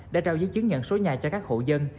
đã trao giấy chứng nhận số nhà cho các hộ dân